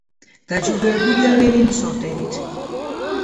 დაჯილდოებულია ლენინის ორდენით.